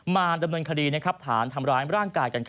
มาดำเนินคดีฐานทำร้ายร่างกายกัน